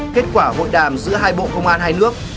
kết quả hội đàm giữa hai bộ công an hai nước